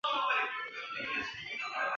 此举激起云南各地回民的反抗。